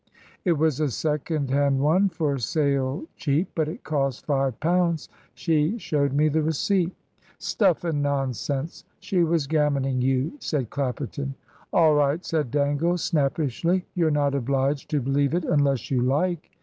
"It was a second hand one for sale cheap. But it cost five pounds. She showed me the receipt." "Stuff and nonsense. She was gammoning you," said Clapperton. "All right," said Dangle, snappishly; "you're not obliged to believe it unless you like."